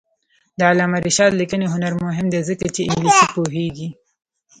د علامه رشاد لیکنی هنر مهم دی ځکه چې انګلیسي پوهېږي.